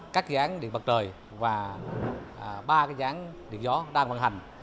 các dán điện mặt trời và ba dán điện gió đang vận hành